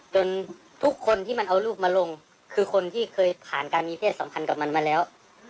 ทุกคนที่มันเอาลูกมาลงคือคนที่เคยผ่านการมีเพศสัมพันธ์กับมันมาแล้ว